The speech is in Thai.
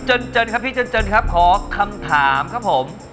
คุณเจนเจนครับพี่เจนเจนครับขอคำถามครับผม